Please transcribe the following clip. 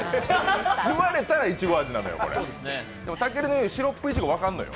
言われたら、いちご味なのよでも、たけるのようにシロップイチゴも分かるんですよ。